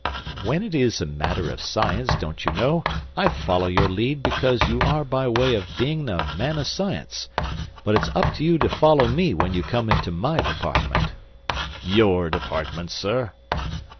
"When it is a matter of science, don't you know, I follow your lead because you are by way of bein' a man of science. But it's up to you to follow me when you come into my department." "Your department, sir?"